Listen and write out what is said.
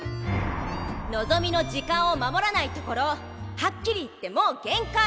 のぞみの時間を守らないところはっきり言ってもう限界！